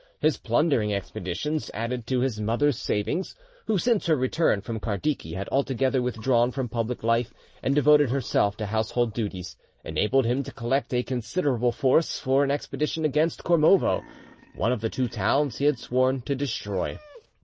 His plundering expeditions added to his mother's savings, who since her return from Kardiki had altogether withdrawn from public life, and devoted herself to household duties, enabled him to collect a considerable force for am expedition against Kormovo, one of the two towns he had sworn to destroy.